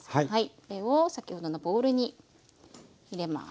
これを先ほどのボウルに入れます。